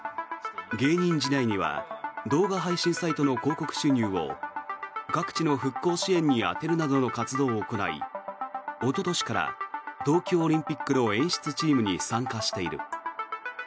芸人時代には動画配信サイトの広告収入を各地の復興支援に充てるなどの活動を行いおととしから東京オリンピックの演出チームに参加している。